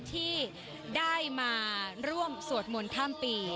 ที่ได้มาร่วมสวดมนต์ข้ามปี